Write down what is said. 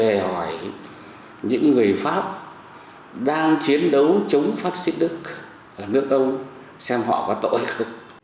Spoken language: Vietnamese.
về hỏi những người pháp đang chiến đấu chống pháp xích đức ở nước ông xem họ có tội không